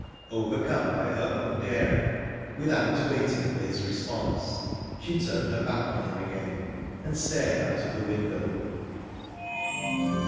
Overcome by her own daring, without waiting for his response, she turned her back on him again, and stared out of the window.